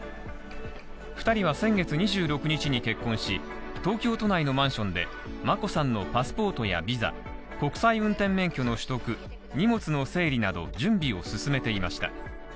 ２人は先月２６日に結婚し、東京都内のマンションで、眞子さんのパスポートやビザ、国際運転免許の取得荷物の整理など準備を進めていました。